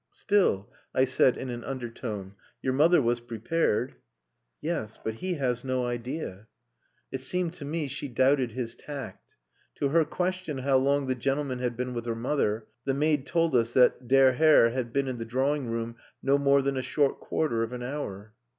"Still," I said in an undertone, "your mother was prepared." "Yes. But he has no idea...." It seemed to me she doubted his tact. To her question how long the gentleman had been with her mother, the maid told us that Der Herr had been in the drawing room no more than a short quarter of an hour.